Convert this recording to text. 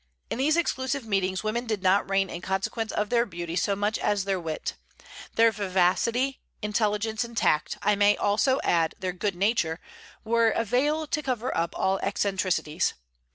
In these exclusive meetings women did not reign in consequence of their beauty so much as their wit. Their vivacity, intelligence, and tact, I may add also their good nature, were a veil to cover up all eccentricities.